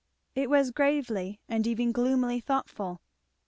It was gravely and even gloomily thoughtful.